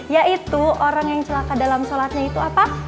yaitu orang yang celaka dalam sholatnya itu apa